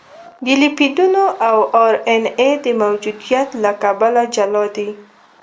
د لیپیدونو او ار ان اې د موجودیت له کبله جلا دي.